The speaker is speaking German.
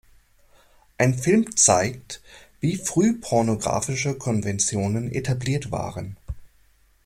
Ein Film zeigt, wie früh pornografische Konventionen etabliert waren.